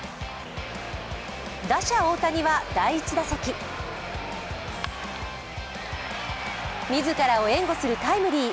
打者・大谷は、第１打席自らを援護するタイムリー。